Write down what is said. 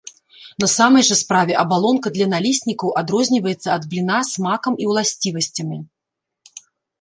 На самай жа справе абалонка для наліснікаў адрозніваецца ад бліна смакам і ўласцівасцямі.